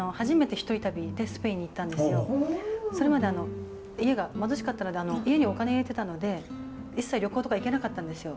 それまであの家が貧しかったので家にお金入れてたので一切旅行とか行けなかったんですよ。